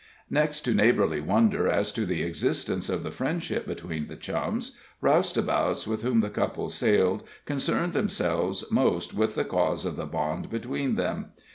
Next to neighborly wonder as to the existence of the friendship between the Chums, roustabouts with whom the couple sailed concerned themselves most with the cause of the bond between them.